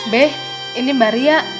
be ini mbak ria